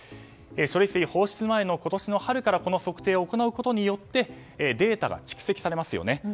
処理水放出前の今年の春からこの測定を行うことによってデータが蓄積されますよね。